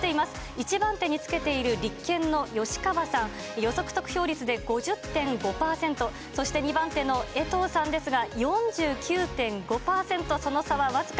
１番手につけている立憲の吉川さん、予測得票率で５０．５％、そして２番手の衛藤さんですが、４９．５％、その差は僅か。